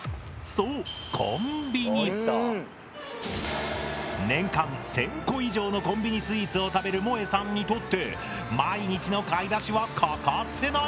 そうコンビニ！年間１０００個以上のコンビニスイーツを食べるもえさんにとって毎日の買い出しは欠かせない！